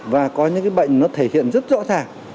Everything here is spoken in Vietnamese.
và có những cái bệnh nó thể hiện rất rõ ràng